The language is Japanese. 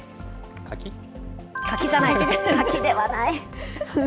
柿じゃない、柿ではない。